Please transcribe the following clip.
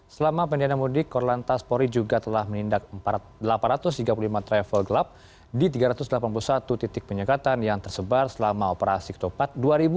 selama pendidikan mudik korlantas pori juga telah menindak delapan ratus tiga puluh lima travel gelap di tiga ratus delapan puluh satu titik penyekatan yang tersebar selama operasi ketopat dua ribu dua puluh